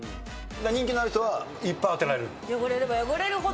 人気のある人はいっぱい当て汚れれば汚れるほど。